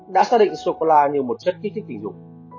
đã xác định sô cô la như một chất kích thích tình dục